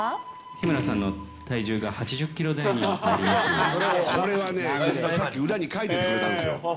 日村さんの体重が８０キロ台これはね、さっき、裏に書いててくれたんですよ。